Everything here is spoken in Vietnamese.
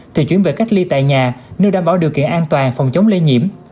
thì chuyển về cách ly tại nhà nơi đảm bảo điều kiện an toàn phòng chống lây nhiễm